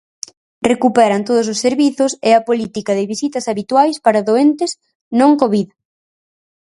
Recuperan todos os servizos e a política de visitas habituais para doentes non covid.